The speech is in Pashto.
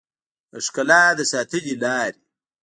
د ښکلا د ساتنې لارې